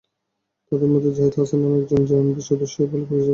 তাঁদের মধ্যে জাহিদ হাসান নামে একজন জেএমবির সদস্য বলে পুলিশ দাবি করেছে।